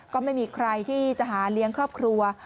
ก็ไม่มีใครที่จะหาเลี้ยงครอบครัว